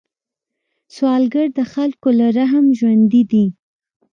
سوالګر د خلکو له رحم ژوندی دی